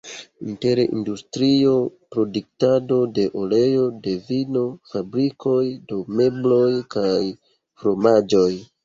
Inter industrio, produktado de oleo, de vino, fabrikoj de mebloj kaj fromaĝoj.